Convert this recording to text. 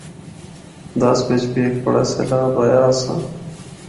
دس بچ بھی ہک بڑا سیلاب آیا آسا۔